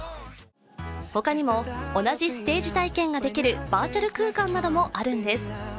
他にも同じステージ体験ができるバーチャル空間などもあるんです。